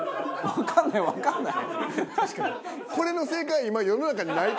わかんないわかんない。